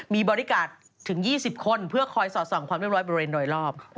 มีบริการถึง๒๐คนเพื่อคอยสอดส่องความเรียบร้อยบริเวณโดยรอบ